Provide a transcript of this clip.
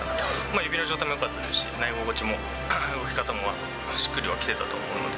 指の状態もよかったですし、投げ心地も動き方もしっくりはきてたと思うので。